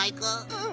うん。